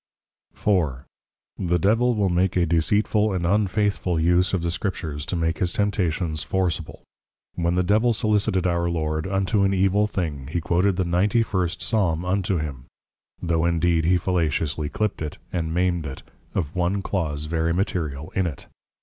IV. The Devil will make a deceitful and unfaithful use of the Scriptures to make his Temptations forceable. When the Devil Solicited our Lord, unto an evil thing, he quoted the Ninty First Psalm unto him, tho' indeed he fallaciously clip'd it, and maim'd it, of one clause very material in it.